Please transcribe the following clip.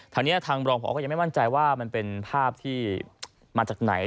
ทางนี้ทางรองพอก็ยังไม่มั่นใจว่ามันเป็นภาพที่มาจากไหน